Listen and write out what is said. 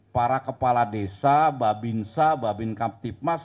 para kepala desa babinsa babinkan timas